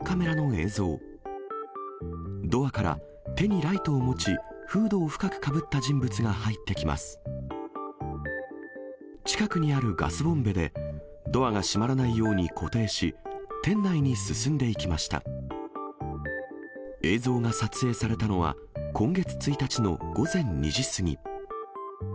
映像が撮影されたのは、今月１日の午前２時過ぎ。